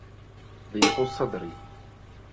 ضِيقُ الصَّدْرِ